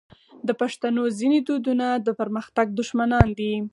د پښتنو ځینې دودونه د پرمختګ دښمنان دي.